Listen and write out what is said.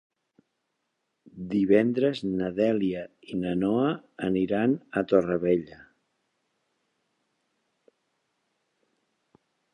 Divendres na Dèlia i na Noa aniran a Torrevella.